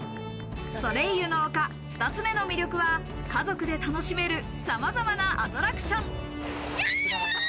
ソレイユの丘、２つ目の魅力は家族で楽しめるさまざまなアトラクション。